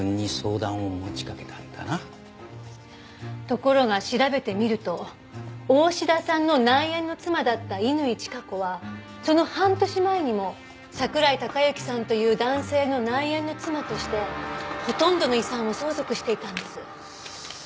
ところが調べてみると大志田さんの内縁の妻だった乾チカ子はその半年前にも桜井孝行さんという男性の内縁の妻としてほとんどの遺産を相続していたんです。